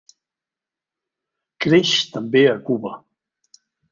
Creix també a Cuba.